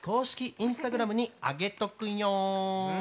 インスタグラムに上げとくよ！